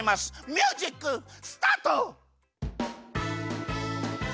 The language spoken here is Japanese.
ミュージックスタート！